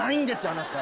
あなた。